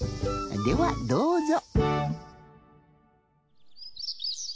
ではどうぞ。